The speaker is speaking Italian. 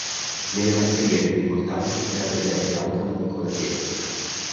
Nelle masserie più importanti era presente anche una piccola chiesa.